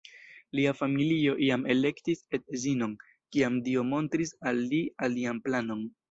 Lia familio jam elektis edzinon, kiam Dio montris al li alian planon.